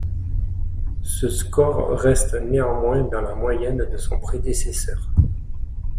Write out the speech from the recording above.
Ce score reste néanmoins dans la moyenne de son prédécesseur.